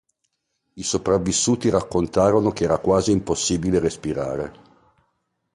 I sopravvissuti raccontarono che era quasi impossibile respirare.